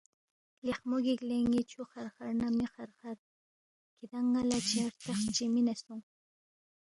لیخمو گِک لے ن٘ی چھُوخرخر نہ مےخرخر، کِھدانگ ن٘ا لہ چھہ ہرتخ چی مِنے نہ سونگ